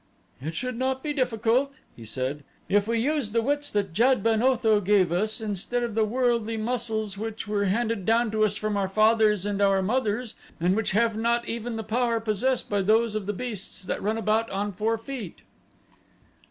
"It should not be difficult," he said, "if we use the wits that Jad ben Otho gave us instead of the worldly muscles which were handed down to us from our fathers and our mothers and which have not even the power possessed by those of the beasts that run about on four feet."